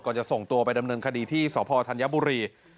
จะส่งตัวไปดำเนินคดีที่สพธัญบุรี